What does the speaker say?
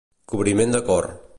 Cobriment de cor.